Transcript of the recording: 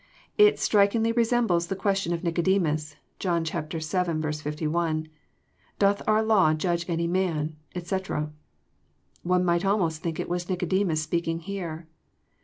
It strikingly resembles the question of Nicodemus, (John vii. 61,) "Doth our law judge any man," etc. One might almost think it was Nicodemus speaking here.